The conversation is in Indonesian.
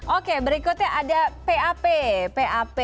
oke berikutnya ada pap